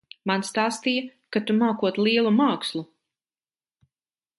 Man stāstīja, ka tu mākot lielu mākslu.